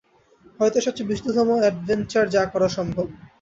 হয়ত সবচেয়ে বিশুদ্ধতম অ্যাডভেঞ্চার যা করা সম্ভব।